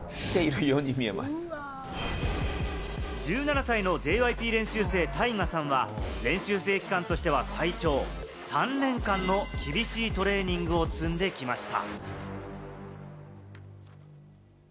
１７歳のＪＹＰ練習生・タイガさんは練習生期間としては最長、３年間の厳しいトレーニングを積んできました。